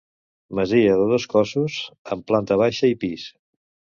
Masia de dos cossos amb planta baixa i pis.